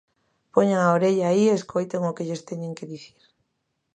Poñan a orella aí e escoiten o que lles teñen que dicir.